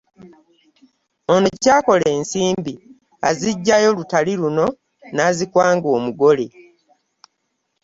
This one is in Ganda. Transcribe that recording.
Ono ky’akola ensimbi, aziggyayo lutali luno n’azikwanga omugole.